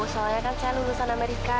soalnya kan saya lulusan amerika